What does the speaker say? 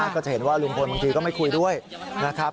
ก็จะเห็นว่าลุงพลบางทีก็ไม่คุยด้วยนะครับ